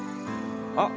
あっ！